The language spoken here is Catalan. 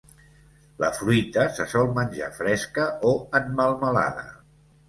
La fruita se sol menjar fresca o en melmelada.